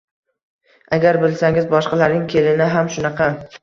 Agar bilsangiz, boshqalarning kelini ham shunaqa